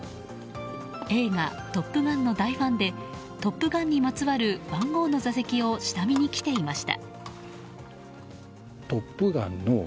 映画「トップガン」の大ファンで「トップガン」にまつわる番号の座席を下見に来ていました。